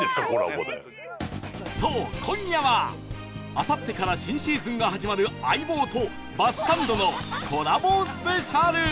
そう今夜はあさってから新シーズンが始まる『相棒』とバスサンドのコラボスペシャル